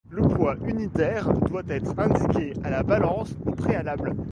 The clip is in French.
Le poids unitaire doit être indiqué à la balance au préalable.